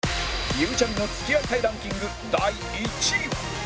ゆうちゃみが付き合いたいランキング第１位は？